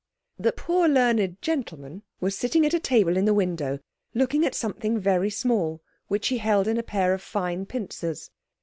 The "poor learned gentleman" was sitting at a table in the window, looking at something very small which he held in a pair of fine pincers.